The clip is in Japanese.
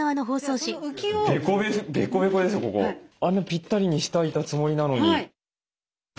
あんなぴったりにしていたつもりなのに。